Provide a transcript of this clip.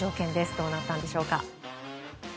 どうなったんでしょうか。